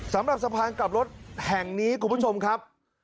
สำหรับสะพานกลับรถแห่งนี้คุณผู้ชมครับ